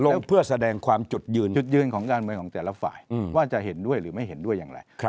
เพื่อแสดงความจุดยืนจุดยืนของการเมืองของแต่ละฝ่ายว่าจะเห็นด้วยหรือไม่เห็นด้วยอย่างไร